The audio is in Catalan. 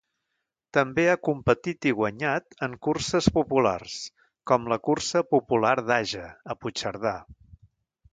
També ha competit i guanyat en curses populars, com la cursa popular d'Age, a Puigcerdà.